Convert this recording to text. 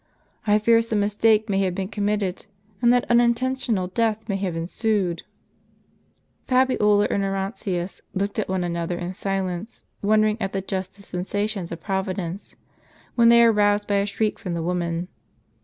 I fear some mistake may have been committed, and that unintentional death may have ensued." Fabiola and Orontius looked at one another in silence, wondering at the just dispensations of Providence ; when they were aroused by a shriek from the woman.